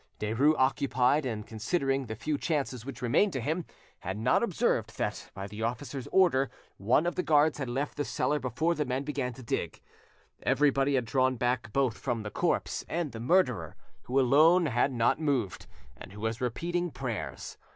Derues, occupied in considering the few chances which remained to him, had not observed that, by the officer's order, one of the guards had left the cellar before the men began to dig. Everybody had drawn back both from the corpse and the murderer, who alone had not moved, and who was repeating prayers.